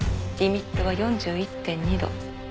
リミットは４１．２度。